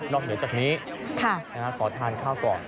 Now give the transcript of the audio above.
เหนือจากนี้ขอทานข้าวก่อน